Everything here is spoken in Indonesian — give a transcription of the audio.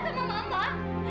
dia tega sama mama